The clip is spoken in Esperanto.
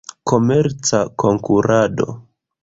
Komerca Konkurado.